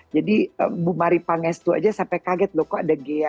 jadi ibu mari pangestu saja sampai kaget loh kok ada ghea